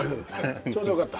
ちょうどよかった。